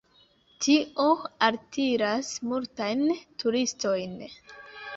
Tio altiras multajn turistojn.